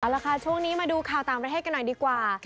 เอาละค่ะช่วงนี้มาดูข่าวต่างประเทศกันหน่อยดีกว่า